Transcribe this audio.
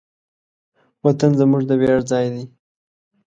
وطن زموږ د ویاړ ځای دی.